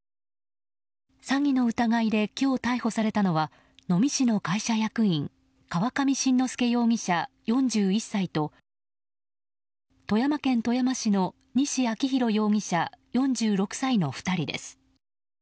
詐欺の疑いで今日逮捕されたのは能美市の会社役員河上伸之輔容疑者、４１歳と富山県富山市の西昭洋容疑者４６歳の２人です。